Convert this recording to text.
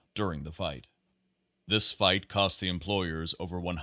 during the fight. This fight cost the employers over $100,000.